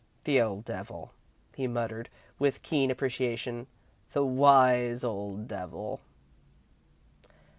"The old devil," he muttered, with keen appreciation. "The wise old devil!"